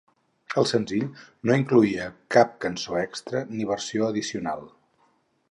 El senzill no incloïa cap cançó extra ni versió addicional.